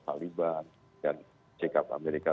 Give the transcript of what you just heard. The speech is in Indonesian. taliban dan sikap amerika